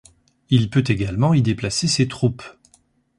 Il peut également y déplacer ses troupes.